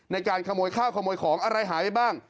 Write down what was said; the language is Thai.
ในการขโมยข้าวขโมยของอะไรหายไปบ้าง